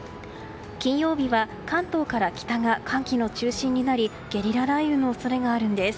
金曜日は関東から北が寒気の中心になりゲリラ雷雨の恐れがあるんです。